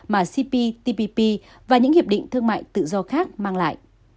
mà cptpp và những hiệp định thương mại tự do khác mang lại